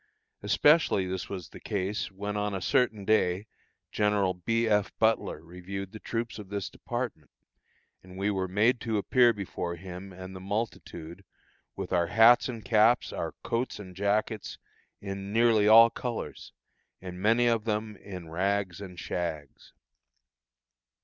Especially was this the case when on a certain day General B. F. Butler reviewed the troops of this department, and we were made to appear before him and the multitude with our hats and caps, our coats and jackets, in nearly all colors, and many of them in rags and shags.